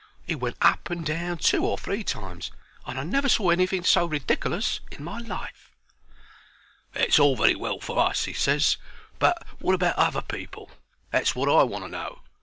He went up and down two or three times, and I never saw anything so ridikerlous in my life. "That's all very well for us," he ses; "but wot about other people? That's wot I want to know.